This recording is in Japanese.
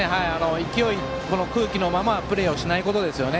この空気のままプレーをしないことですよね。